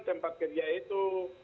tempat kerja itu